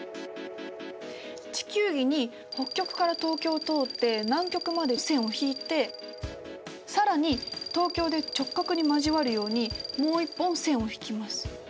地球儀に北極から東京を通って南極まで線を引いて更に東京で直角に交わるようにもう一本線を引きます。